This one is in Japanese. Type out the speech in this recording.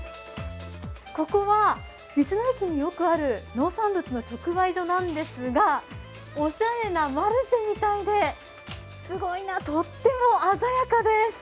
ここは道の駅によくある農産物の直売所なんですがおしゃれなマルシェみたいで、すごいな、とっても鮮やかです。